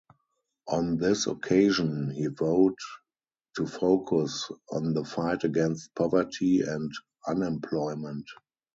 On this occasion, he vowed to focus on the fight against poverty and unemployment.